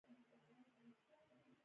په غلامي نظام کې هم داسې اقشار موجود وو.